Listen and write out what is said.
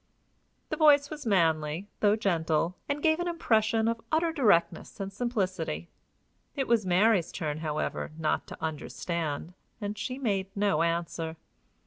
The voice was manly, though gentle, and gave an impression of utter directness and simplicity. It was Mary's turn, however, not to understand, and she made no answer.